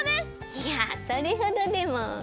いやそれほどでも。